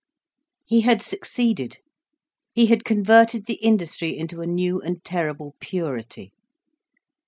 He had succeeded. He had converted the industry into a new and terrible purity.